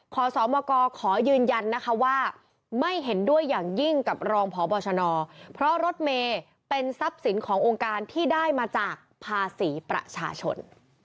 ขอสมกขอยืนยันนะคะว่าไม่เห็นด้วยอย่างยิ่งกับรองพบชนเพราะรถเมย์เป็นทรัพย์สินขององค์การที่ได้มาจากภาษีประชาชน